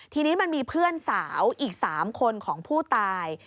ทีนี้มันมีเพื่อนสาวอีก๓คนของผู้ตาย